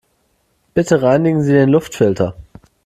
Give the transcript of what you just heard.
Bitte reinigen Sie den Luftfilter.